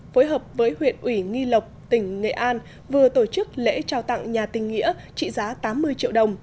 phối hợp với huyện ủy nghi lộc tỉnh nghệ an vừa tổ chức lễ trao tặng nhà tình nghĩa trị giá tám mươi triệu đồng